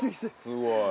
すごい！